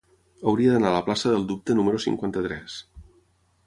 Hauria d'anar a la plaça del Dubte número cinquanta-tres.